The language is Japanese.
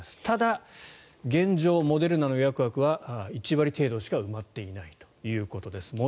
ただ、現状、モデルナの予約枠は１割程度しか埋まっていないということです。